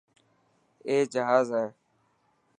اي جهاز هي.